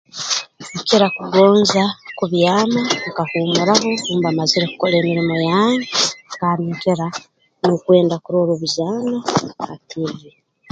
Nkira kugonza kubyama nkahuumuraho obu mba mazire kukora emirimo yange kandi nkira n'okwenda kurora obuzaano ha tiivi